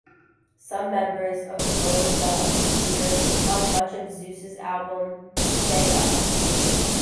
Some members of The Golden Dogs appeared on much of Zeus' album "Say Us".